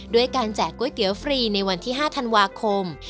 ด้วยการแจกก๋วยเตี๋ยวฟรีในวันที่๕ธันวาคม